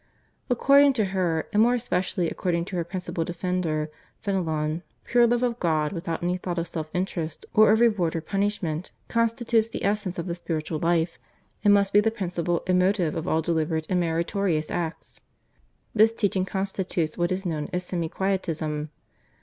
According to her, and more especially according to her principal defender, Fenelon, pure love of God without any thought of self interest or of reward or punishment, constitutes the essence of the spiritual life, and must be the principle and motive of all deliberate and meritorious acts. This teaching constitutes what is known as Semi Quietism.